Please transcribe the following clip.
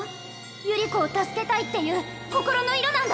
百合子を助けたいっていう心の色なんだ！